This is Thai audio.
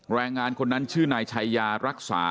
แรงงานคนนั้นชื่อนายชัยยารักษา